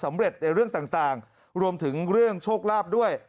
เร็จในเรื่องต่างรวมถึงเรื่องโชคลาภด้วย